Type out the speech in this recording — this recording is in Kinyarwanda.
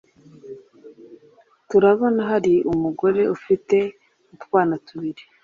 turabona hari umugore ufite utwana tubiri